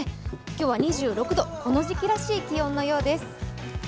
今日は２６度この時期らしい気温のようです。